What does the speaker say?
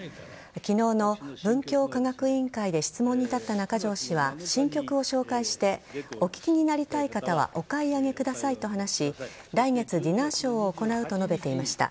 昨日の文教科学委員会で質問に立った中条氏は新曲を紹介してお聞きになりたい方はお買い上げくださいと話し来月、ディナーショーを行うと述べていました。